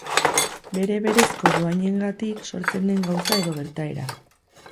Bere berezko dohainengatik sortzen den gauza edo gertaera.